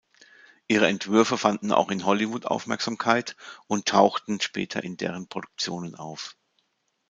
Ihre Entwürfe fanden auch in Hollywood Aufmerksamkeit und tauchten später in deren Produktionen auf.